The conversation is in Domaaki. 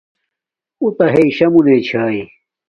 اوݳ اݵتݳ ہݵئ شݳ مُنݺ چھݳئی.